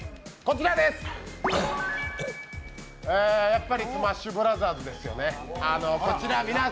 やっぱり「スマッシュブラザーズ」ですよね。